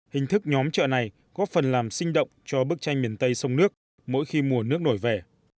hình thức nhóm chợ này có phần làm sinh động cho bức tranh miền tây sông nước mỗi khi mùa nước nổi về